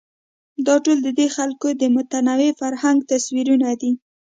دا ټول ددې خلکو د متنوع فرهنګ تصویرونه دي.